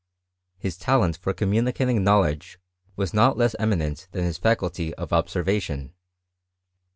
^lis talent for communicating knowledge was not less Eminent than his faculty of observation.